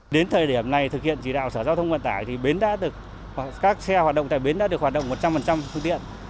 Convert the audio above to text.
đến thời điểm này thực hiện chỉ đạo sở giao thông vận tải thì các xe hoạt động tại bến đã được hoạt động một trăm linh phương tiện